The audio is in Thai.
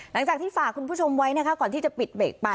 หลังจากที่ฝากคุณผู้ชมไว้นะคะก่อนที่จะปิดเบรกไป